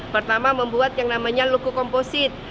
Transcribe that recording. pertama membuat yang namanya loku komposit